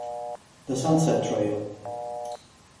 The Sunset Trail